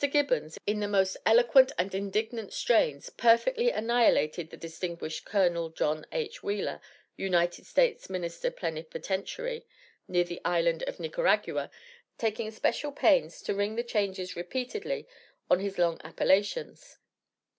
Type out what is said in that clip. Gibbons, in the most eloquent and indignant strains, perfectly annihilated the "distinguished Colonel John H. Wheeler, United States Minister Plenipotentiary near the Island of Nicaragua," taking special pains to ring the changes repeatedly on his long appellations.